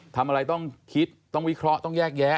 ทำอะไรต้องคิดต้องวิเคราะห์ต้องแยกแยะ